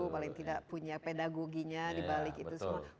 paling tidak punya pedagoginya dibalik itu semua